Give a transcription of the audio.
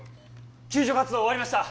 救助活動終わりました